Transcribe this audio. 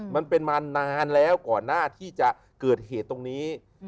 มันเป็นมานานแล้วก่อนหน้าที่จะเกิดเหตุตรงนี้